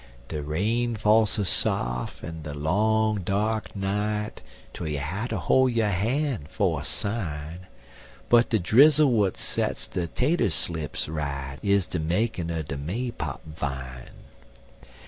De rain fall so saf' in de long dark night, Twel you hatter hol' yo' han' for a sign, But de drizzle w'at sets de tater slips right Is de makin' er de May pop vine.